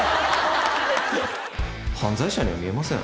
犯罪者には見えません。